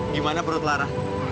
gimana perut lara